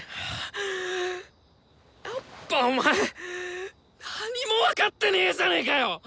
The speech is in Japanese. やっぱお前何も分かってねえじゃねかよ！